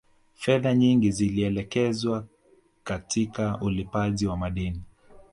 Fedha nyingi zilielekezwa katika ulipaji wa madeni